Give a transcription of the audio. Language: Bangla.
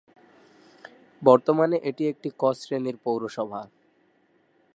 বর্তমানে এটি একটি 'ক' শ্রেণীর পৌরসভা।